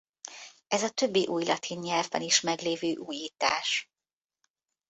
Ez a többi újlatin nyelvben is meglévő újítás.